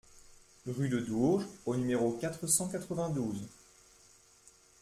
Rue de Dourges au numéro quatre cent quatre-vingt-douze